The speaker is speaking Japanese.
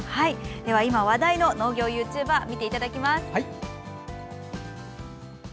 今話題の農業ユーチューバーを見ていただきます。